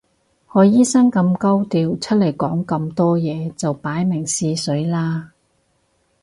何醫生咁高調出嚟講咁多嘢就擺明試水啦